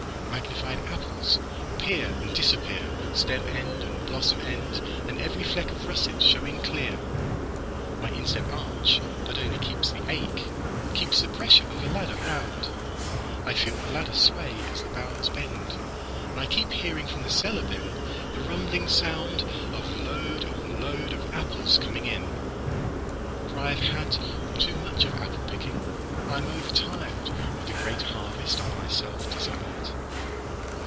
Magnified apples appear and disappear, Stem end and blossom end, And every fleck of russet showing clear.My instep arch not only keeps the ache, It keeps the pressure of a ladder round.I feel the ladder sway as the boughs bend. And I keep hearing from the cellar binThe rumbling soundOf load on load of apples coming in. For I have had too muchOf apple picking: I am overtiredOf the great harvest I myself desired.